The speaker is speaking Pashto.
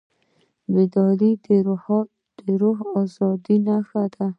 بیداري د روح د ازادۍ نښه ده.